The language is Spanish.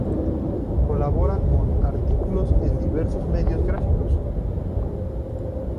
Colabora con artículos en diversos medios gráficos.